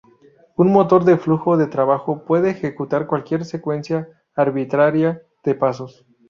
Un motor de flujo de trabajo puede ejecutar cualquier secuencia arbitraria de pasos.